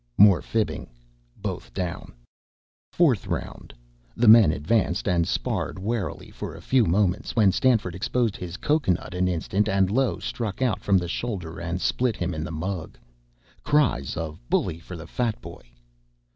More fibbing both down. Fourth Round. The men advanced and sparred warily for a few moments, when Stanford exposed his cocoa nut an instant, and Low struck out from the shoulder and split him in the mug. (Cries of "Bully for the Fat Boy!")